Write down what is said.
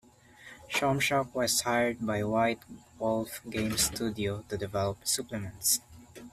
Shomshak was hired by White Wolf Game Studio to develop supplements.